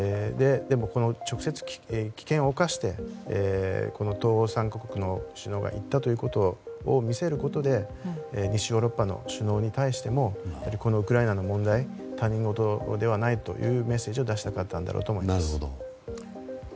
でも、直接危険を冒してこの東欧３国の首脳が行ったということを見せることで西ヨーロッパの首脳に対してもウクライナの問題他人事ではないというメッセージを出したかったんだろうと思います。